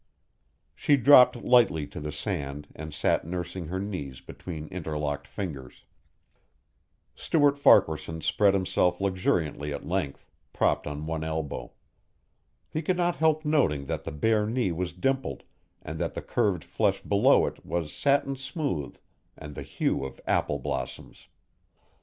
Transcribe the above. She dropped lightly to the sand and sat nursing her knees between interlocked fingers. Stuart Farquaharson spread himself luxuriantly at length, propped on one elbow. He could not help noting that the bare knee was dimpled and that the curved flesh below it was satin smooth and the hue of apple blossoms.